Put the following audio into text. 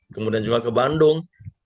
kemudian juga ke bandung